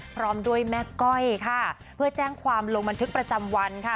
พร้อมด้วยแม่ก้อยค่ะเพื่อแจ้งความลงบันทึกประจำวันค่ะ